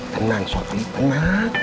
tenang sopi tenang